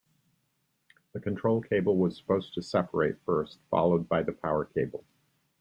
The control cable was supposed to separate first, followed by the power cable.